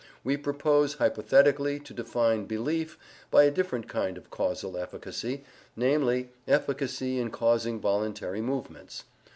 We propose hypothetically to define "belief" by a different kind of causal efficacy, namely efficacy in causing voluntary movements.